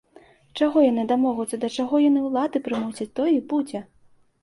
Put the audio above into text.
Чаго яны дамогуцца, да чаго яны ўлады прымусяць, тое і будзе.